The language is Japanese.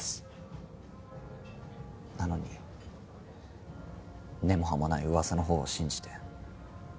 なのに根も葉もないうわさのほうを信じて。